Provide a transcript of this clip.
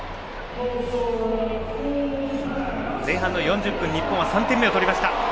前半の４０分日本は３点目を取りました。